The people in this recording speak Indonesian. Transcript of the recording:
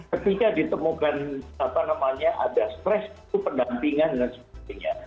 ketika ditemukan apa namanya ada stres itu pendampingan dan sebagainya